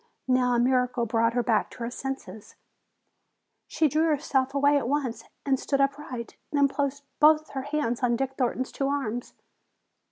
Now a miracle brought her back to her senses. She drew herself away at once and stood upright. Then placed both her hands on Dick Thornton's two arms.